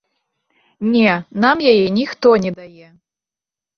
Не, нам яе ніхто не дае.